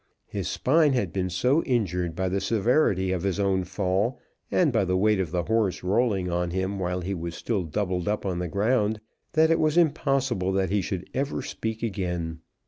His spine had been so injured by the severity of his own fall, and by the weight of the horse rolling on him while he was still doubled up on the ground, that it was impossible that he should ever speak again.